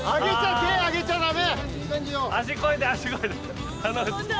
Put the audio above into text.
手上げちゃ駄目。